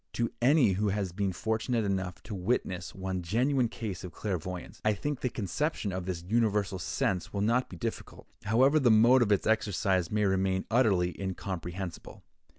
To any one who has been fortunate enough to witness one genuine case of clairvoyance, I think the conception of this universal sense will not be difficult, however the mode of its exercise may remain utterly incomprehensible.